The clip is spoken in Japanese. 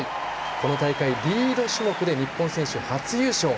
この大会リード種目で初優勝。